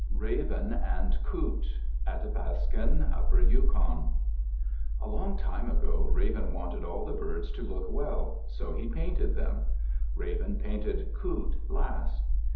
RAVEN AND COOT Athapascan (Upper Yukon) A long time ago, Raven wanted all the birds to look well, so he painted them. Raven painted Coot last.